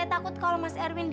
gak pernah loh win